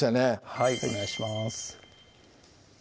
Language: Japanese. はいお願いします